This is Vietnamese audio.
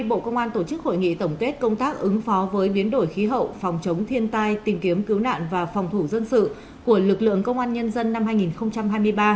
bộ công an tổ chức hội nghị tổng kết công tác ứng phó với biến đổi khí hậu phòng chống thiên tai tìm kiếm cứu nạn và phòng thủ dân sự của lực lượng công an nhân dân năm hai nghìn hai mươi ba